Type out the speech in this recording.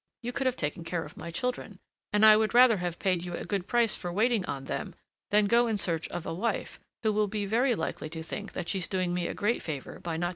You could have taken care of my children, and I would rather have paid you a good price for waiting on them than go in search of a wife who will be very likely to think that she's doing me a great favor by not detesting them."